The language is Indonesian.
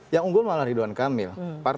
yang unggul malah ridwan kamil